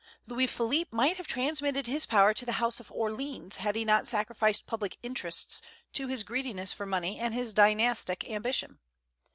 Louis Philippe might have transmitted his power to the House of Orléans had he not sacrificed public interests to his greediness for money and to his dynastic ambition.